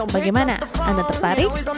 bagaimana anda tertarik